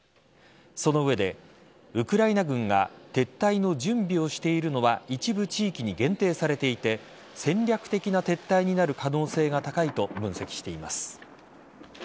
その上でウクライナ軍が撤退の準備をしているのは一部地域に限定されていて戦略的な撤退になる可能性が高いと分析しています。